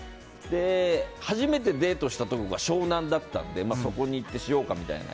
初めてデートしたところが湘南だったのでそこに行ってしようかみたいな。